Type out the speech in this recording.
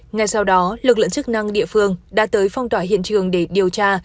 ngay sau đó lực lượng chức năng địa phương đã tới phong tỏa hiện trường để điều tra